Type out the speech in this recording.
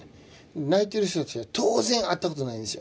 泣いてる人たちは当然会ったことないんですよ。